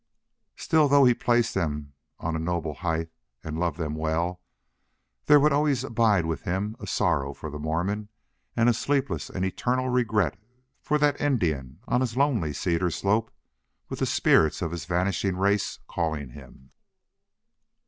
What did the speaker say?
Still, though he placed them on a noble height and loved them well, there would always abide with him a sorrow for the Mormon and a sleepless and eternal regret for that Indian on his lonely cedar slope with the spirits of his vanishing race calling him.